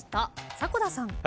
迫田さん。